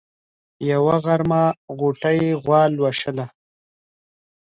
يوه غرمه غوټۍ غوا لوشله.